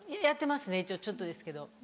やってますねちょっとですけど。